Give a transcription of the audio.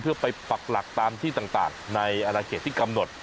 เพื่อไปปักหลักตามที่ต่างในอนาเขตที่กำหนด